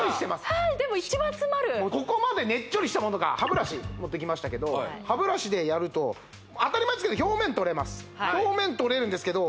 はいでも一番詰まるここまでねっちょりしたものが歯ブラシ持ってきましたけど歯ブラシでやると当たり前ですけど表面取れるんですけど